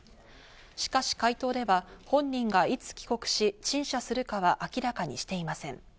しかし回答では、本人がいつ帰国し、陳謝するかは明らかにしていません。